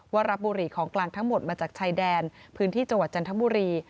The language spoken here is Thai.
ว่ารับบุหรี่ของกลางทั้งหมดมาจากชายแดนพื้นที่จังหวัดจันทบุรี